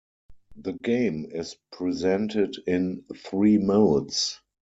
The game is presented in three modes.